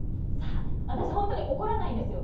私、本当に怒らないんですよ。